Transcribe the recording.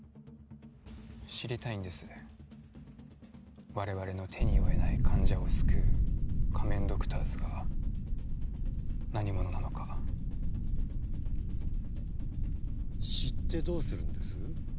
知りたいんです我々の手に負えない患者を救う仮面ドクターズが何者なのか知ってどうするんです？